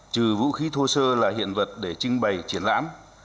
trừ vũ khí thô sơ là hiện vật để trưng bày triển lãm